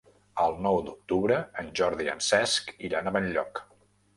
El nou d'octubre en Jordi i en Cesc iran a Benlloc.